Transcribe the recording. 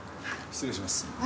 失礼します。